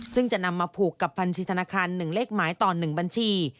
ซึ่งจะนำมาผูกกับบัญชีธนาคาร๑เลขหมายต่อ๑บัญชี